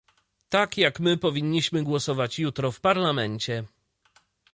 Tak, jak my powinniśmy głosować jutro w Parlamencie